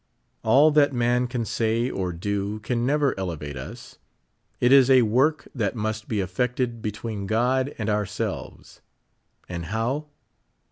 All that man can say or do can never elevate us ; it is a work that mu, ^ be effected between God and ourselves. And how?